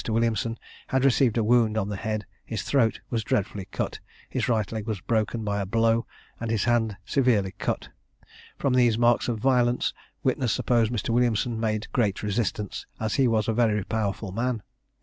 Williamson had received a wound on the head, his throat was dreadfully cut, his right leg was broken by a blow, and his hand severely cut. From these marks of violence witness supposed Mr. Williamson made great resistance, as he was a very powerful man.